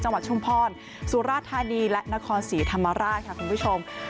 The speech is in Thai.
ชุมพรสุราธานีและนครศรีธรรมราชค่ะคุณผู้ชม